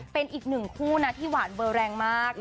เป็นอีกหนึ่งคู่นะที่หวานเบอร์แรงมาก